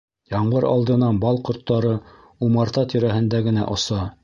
Ямғыр алдынан бал ҡорттары умарта тирәһендә генә оса